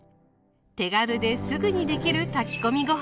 手軽ですぐにできる炊き込みご飯